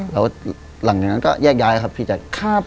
แล้วหลังจากนั้นก็แยกย้ายครับพี่แจ๊ค